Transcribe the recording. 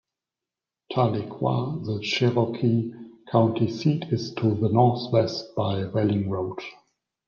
Tahlequah, the Cherokee County seat, is to the northwest by Welling Road.